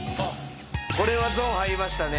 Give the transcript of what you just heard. ・これはゾーン入りましたね。